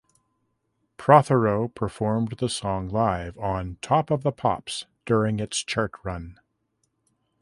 Protheroe performed the song live on "Top of the Pops" during its chart run.